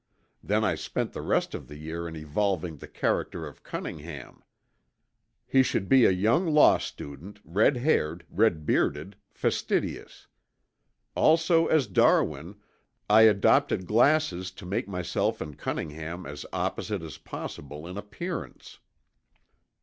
Then I spent the rest of the year in evolving the character of Cunningham. He should be a young law student, red haired, red bearded, fastidious. Also as Darwin, I adopted glasses to make myself and Cunningham as opposite as possible in appearance.